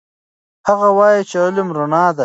هغه وایي چې علم رڼا ده.